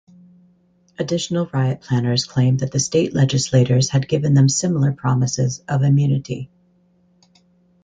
Additional riot planners claimed that state legislators had given them similar promises of immunity.